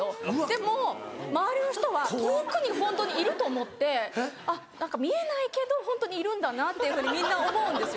でも周りの人は遠くにホントにいると思って見えないけどホントにいるんだなっていうふうにみんな思うんですよ